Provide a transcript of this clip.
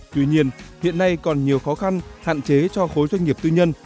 tuy nhiên hiện nay còn nhiều khó khăn hạn chế cho khối doanh nghiệp tư nhân